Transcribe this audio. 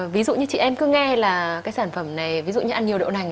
ví dụ như chị em cứ nghe là cái sản phẩm này ví dụ như ăn nhiều đậu nành